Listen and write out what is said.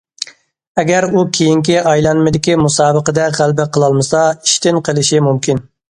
ئەگەر ئۇ كېيىنكى ئايلانمىدىكى مۇسابىقىدە غەلىبە قىلالمىسا ئىشتىن قېلىشى مۇمكىن.